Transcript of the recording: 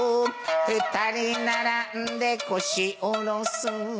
二人並んで腰下ろす